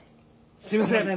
すいません！